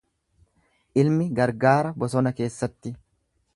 Ilmi gargaara bosona keessatti.